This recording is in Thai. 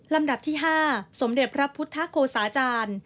ลำดับที่๕สมเด็จพระพุทธโฆษาจารย์